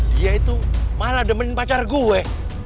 dia itu malah demenin pacar gue